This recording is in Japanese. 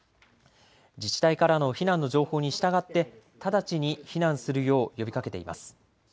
自治体からの避難の情報に従って直ちに避難するよう呼びかけています。